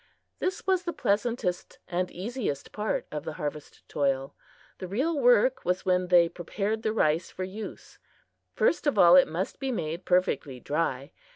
This was the pleasantest and easiest part of the harvest toil. The real work was when they prepared the rice for use. First of all, it must be made perfectly dry.